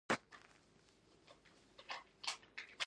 انجماد نقطه هغه درجه ده چې مایع په جامد بدلوي.